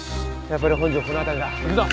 やっぱり本庄この辺りだ。